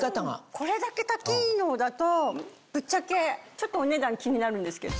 これだけ多機能だとぶっちゃけちょっとお値段気になるんですけど。